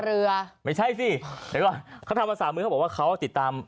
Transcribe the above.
รอเรือไม่ใช่สิเขาทำอาสามือเขาบอกว่าเขาติดตาม